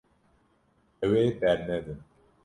Ew ê bernedin.